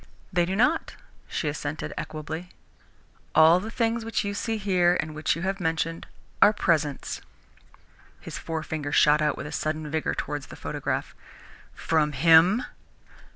"They do not," she assented equably. "All the things which you see here and which you have mentioned, are presents." His forefinger shot out with a sudden vigour towards the photograph. "From him?"